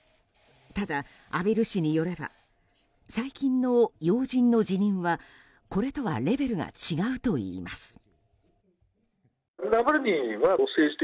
ただ、畔蒜氏によれば最近の要人の辞任はこれとはレベルが違うといいます。